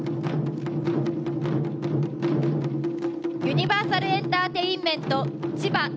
ユニバーサルエンターテインメント・千葉。